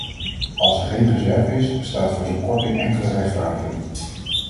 Als er geen reserve is, bestaat voor zo'n korting enkele rechtvaardiging.